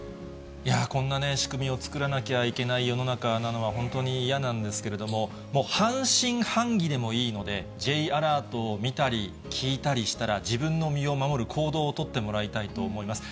いやー、こんな仕組みを作らなきゃいけない世の中なのは、本当に嫌なんですけれども、もう半信半疑でもいいので、Ｊアラートを見たり聞いたりしたら、自分の身を守る行動を取ってもらいたいと思います。